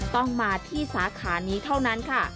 ต้องมาที่สาขานี้เท่านั้นค่ะ